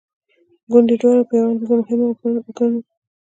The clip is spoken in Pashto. ګوندې دواړه په یوه اندازه مهمه ګڼو.